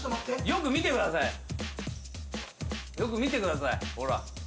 よく見てくださいほら。